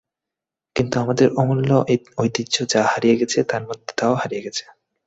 কিন্তু আমাদের অমূল্য ঐতিহ্য যা হারিয়ে গেছে তার মধ্যে তাও হারিয়ে গেছে।